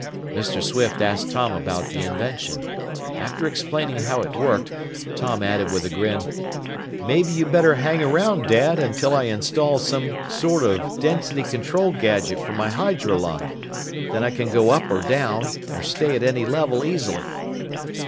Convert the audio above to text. Mr. Swift asked Tom about the invention. After explaining how it worked, Tom added with a grin, "Maybe you'd better hang around, Dad, until I install some sort of density control gadget for my hydrolung. Then I can go up or down, or stay at any level easily."